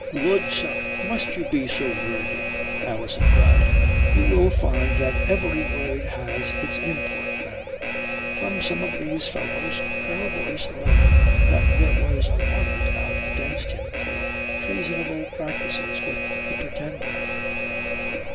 "Lud, sir, must you be so wordy?" Alison cried. "You will find that every word has its import, ma'am. From some of these fellows Colonel Boyce learnt that there was a warrant out against him for treasonable practices with the Pretender.